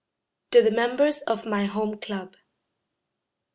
TO THE MEMBERS OF MY HOME CLUB.